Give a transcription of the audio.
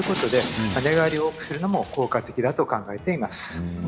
寝返りを多くするのも効果的だと考えられています。